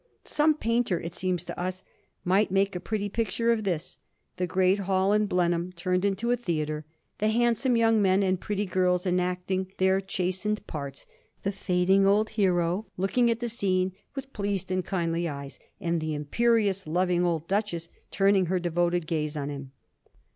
Some painter, it seems to us, might make a pretty picture of this ; the great hall in Blenheim turned into a theatre, the handsome young men and pretty girls enacting their chastened parts, the fading old hero looking at the scene with pleased and kindly eyes, and the imperious, loving old Duchess turning her devoted gaze on him.